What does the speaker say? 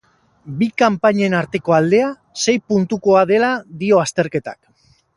Bi kanpainen arteko aldea sei puntukoa dela dio azterketak.